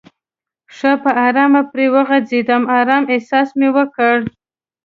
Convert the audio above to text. ښه په آرامه پرې وغځېدم، آرامه احساس مې وکړ.